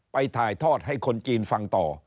ไปถ่ายทอดให้คนจีนฟังต่อ